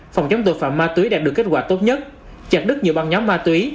phòng chống tội phạm ma túy đạt được kết quả tốt nhất chặt đứt nhiều băng nhóm ma túy